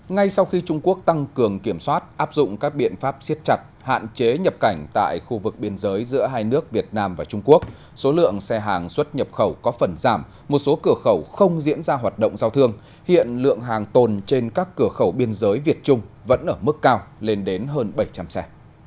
ngay sau khi trung quốc tăng cường kiểm soát áp dụng các biện pháp siết chặt hạn chế nhập cảnh tại khu vực biên giới giữa hai nước việt nam và trung quốc số lượng xe hàng xuất nhập khẩu có phần giảm một số cửa khẩu không diễn ra hoạt động giao thương hiện lượng hàng tồn trên các cửa khẩu biên giới việt trung vẫn ở mức cao lên đến hơn bảy trăm linh xe